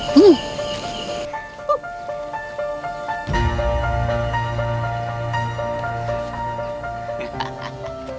untung ada ini mas